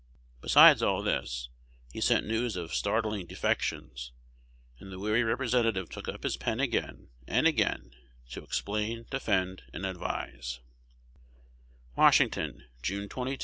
Besides all this, he sent news of startling defections; and the weary Representative took up his pen again and again to explain, defend, and advise: Washington, June 22,1848.